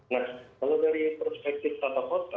nah kalau dari perspektif tata kota